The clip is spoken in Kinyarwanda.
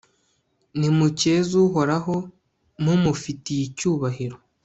nimukeze uhoraho, mumufitiye icyubahiro